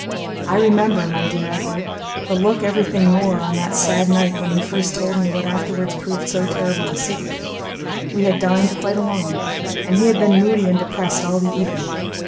I remember, my dear Edward, the look everything wore on that sad night when he first told me what afterwards proved so terrible a secret. We had dined quite alone, and he had been moody and depressed all the evening.